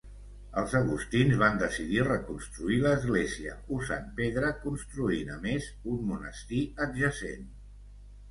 Els agustins van decidir reconstruir l'església usant pedra construint a més un monestir adjacent.